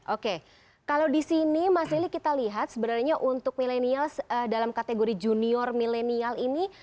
oke kalau di sini mas lili kita lihat sebenarnya untuk milenials dalam kategori junior milenial ini